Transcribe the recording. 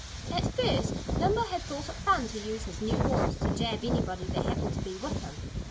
At first Nimble had thought it fun to use his new horns to jab anybody that happened to be with him.